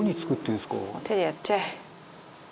手でやっちゃえ。